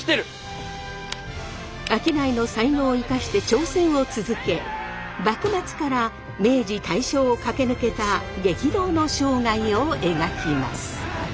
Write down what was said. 商いの才能を生かして挑戦を続け幕末から明治大正を駆け抜けた激動の生涯を描きます。